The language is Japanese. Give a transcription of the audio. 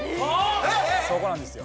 そこなんですよ。